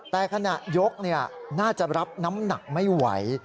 แต่ขณะยกน่าจะรับน้ำหนักไม่ไหว